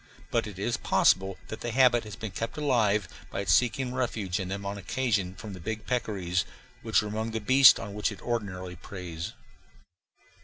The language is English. But it is possible that the habit has been kept alive by its seeking refuge in them on occasion from the big peccaries, which are among the beasts on which it ordinarily preys.